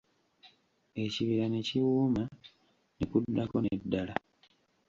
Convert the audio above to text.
Ekibira ne kiwuuma, ne kuddako n'eddala.